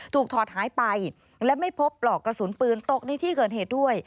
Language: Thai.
ถอดหายไปและไม่พบปลอกกระสุนปืนตกในที่เกิดเหตุด้วย